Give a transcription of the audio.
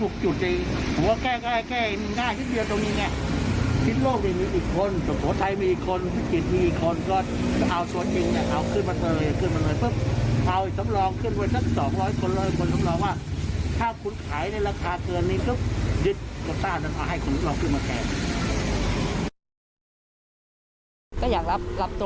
ก็อยากรับตรงเลยครับไม่อยากรับต่อ